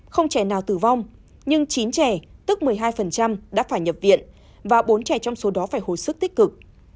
không trẻ nào tử vong nhưng chín trẻ tức một mươi hai đã phải nhập viện và bốn trẻ trong số đó phải hồi sức tích cực